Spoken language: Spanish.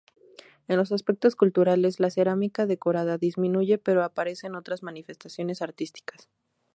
En los aspectos culturales, la cerámica decorada disminuye pero aparecen otras manifestaciones artísticas.